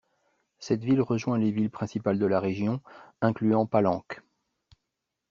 Cette ligne rejoint les villes principales de la région, incluant Palenque.